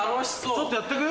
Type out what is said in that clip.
ちょっとやってく？